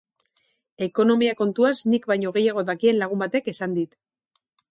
Ekonomia kontuaz nik baino gehiago dakien lagun batek esan dit.